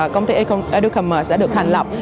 công ty educommerce đã được thành lập